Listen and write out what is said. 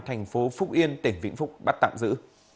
thành phố phúc yên tỉnh vĩnh phúc bắt tạm giữ